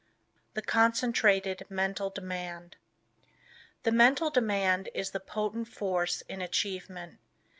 THE CONCENTRATED MENTAL DEMAND The Mental Demand is the potent force in achievement.